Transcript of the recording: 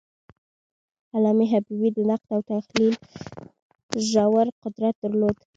علامه حبیبي د نقد او تحلیل ژور قدرت درلود.